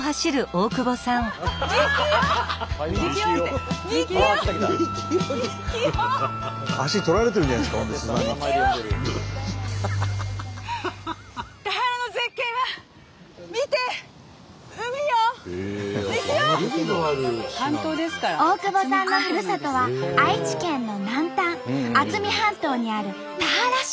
大久保さんのふるさとは愛知県の南端渥美半島にある田原市。